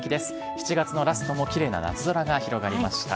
７月のラストもきれいな夏空が広がりました。